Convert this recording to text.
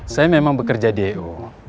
saya memang bekerja di i o